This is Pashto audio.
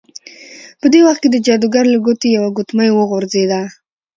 په دې وخت کې د جادوګر له ګوتې یوه ګوتمۍ وغورځیده.